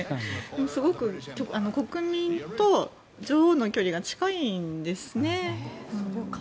すごく国民と女王の距離が近いんですね。